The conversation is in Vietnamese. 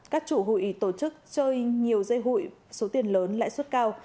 các chủ hụi tổ chức chơi nhiều dây hụi số tiền lớn lãi suất cao